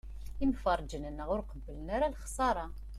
Imferrǧen-nneɣ ur qebblen ara lexṣara.